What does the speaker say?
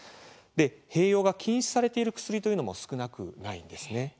併用が禁止されている薬というのも少なくないんですね。